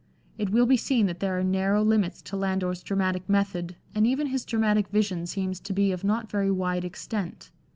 It will be seen that there are narrow limits to Landor's dramatic method, and even his dramatic vision seems to be of not very wide extent.